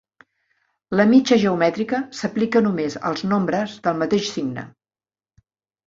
La mitja geomètrica s'aplica només als nombres del mateix signe.